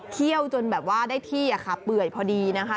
เคี่ยวจนแบบว่าได้ที่เปื่อยพอดีนะคะ